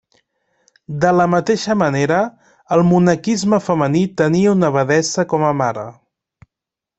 De la mateixa manera, el monaquisme femení tenia una abadessa com a mare.